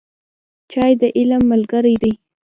چای د علم ملګری دی